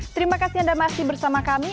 terima kasih anda masih bersama kami